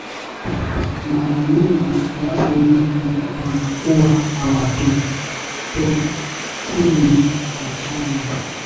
mara nyingi watu wengi wanakua hawatokwi na jasho